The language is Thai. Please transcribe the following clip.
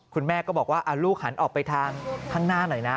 คุณแม่ก็บอกว่าลูกหันออกไปทางข้างหน้าหน่อยนะ